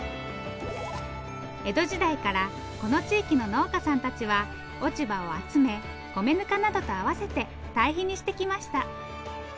江戸時代からこの地域の農家さんたちは落ち葉を集め米ぬかなどと合わせて堆肥にしてきました。